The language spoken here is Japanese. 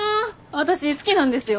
私好きなんですよ